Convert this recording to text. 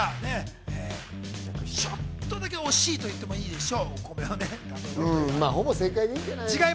ちょっとだけ、惜しいといってもいいでしょう。